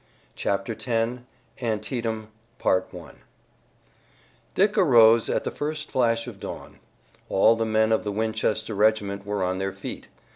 CHAPTER X. ANTIETAM Dick arose at the first flash of dawn. All the men of the Winchester regiment were on their feet.